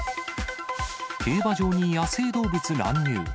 競馬場に野生動物乱入。